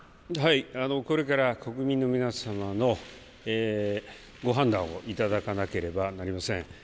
これから国民の皆様のご判断をいただかなければなりません。